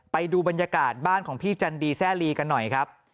ไปดูบรรยากาศบ้านของพี่จันดีแซ่ลีกันหน่อยครับ